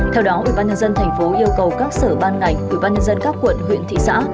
theo đó ủy ban nhân dân thành phố yêu cầu các sở ban ngành ủy ban nhân dân các quận huyện thị xã